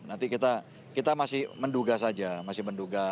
nanti kita masih menduga saja masih menduga